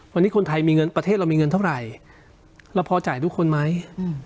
วันนี้คนไทยมีเงินประเทศเรามีเงินเท่าไหร่เราพอจ่ายทุกคนไหมอืม